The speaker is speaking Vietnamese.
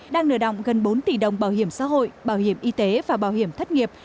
đang nợ động gần bốn tỷ đồng bảo hiểm xã hội bảo hiểm y tế và bảo hiểm thất nghiệp